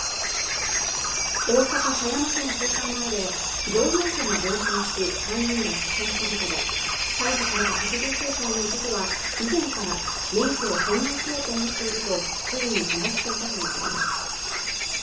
大阪狭山市のスーパー前で乗用車が暴走し３人が死傷した事故で逮捕された８９歳の男は以前から免許を返納しようと思っていると周囲に話していたということです